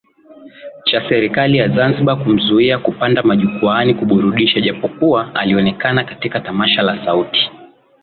cha serikali ya Zanzibar kumzuia kupanda majukwaani kuburudisha japokuwa alionekana katika tamasha la Sauti